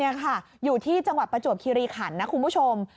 นี่ค่ะอยู่ที่จังหวัดประจวบคิริขันนะคุณผู้ชม